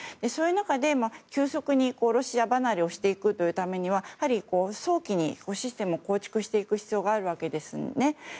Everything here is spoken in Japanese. そういう中で、急速にロシア離れしていくにはやはり早期にシステムを構築していく必要があるわけですね。